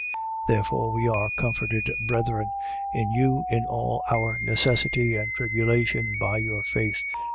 Therefore we were comforted, brethren, in you, in all our necessity and tribulation, by your faith.